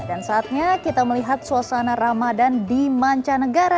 dan saatnya kita melihat suasana ramadan di manca negara